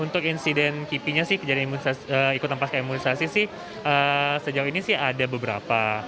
untuk insiden kipi nya sih kejadian ikutan pasca imunisasi sejauh ini ada beberapa